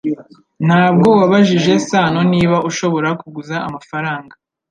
Ntabwo wabajije Sano niba ushobora kuguza amafaranga